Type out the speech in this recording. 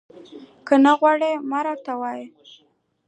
هغه وویل: که نه غواړي، مه راته وایه.